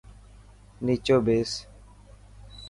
نيچو ٻيس.